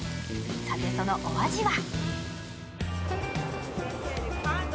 さて、そのお味は？